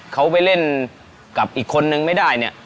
เขาไปเล่นกับอีกคนนึงไม่ได้เนี่ย